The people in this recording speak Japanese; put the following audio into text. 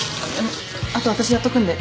あと私やっとくんで。